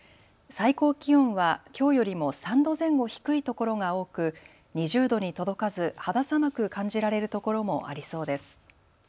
最高気温はきょうよりも３度前後低い所が多く２０度に届かず肌寒く感じられる所もありそうです。